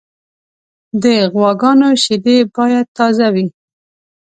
د غواګانو شیدې باید تازه وي.